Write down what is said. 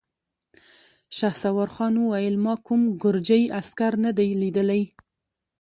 شهسوارخان وويل: ما کوم ګرجۍ عسکر نه دی ليدلی!